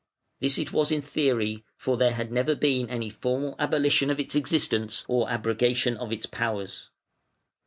This it was in theory, for there had never been any formal abolition of its existence or abrogation of its powers.